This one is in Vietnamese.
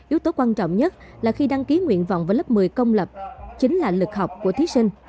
yếu tố quan trọng nhất là khi đăng ký nguyện vọng vào lớp một mươi công lập chính là lực học của thí sinh